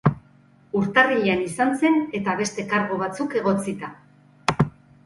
Urtarrilean izan zen, eta beste kargu batzuk egotzita.